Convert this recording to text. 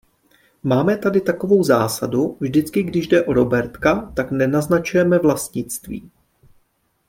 Máme tady takovou zásadu, vždycky když jde o robertka, tak nenaznačujeme vlastnictví.